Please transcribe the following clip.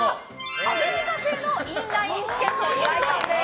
アメリカ製インラインスケート岩井さんです。